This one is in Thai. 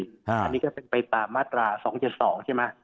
อันนี้ก็เป็นไปตามมาตรา๒๗๒ใช่ไหม